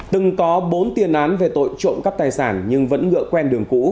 từng có bốn tiền án về tội trộm cắp tài sản nhưng vẫn ngựa quen đường cũ